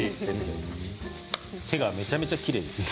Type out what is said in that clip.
手がめちゃめちゃきれいです。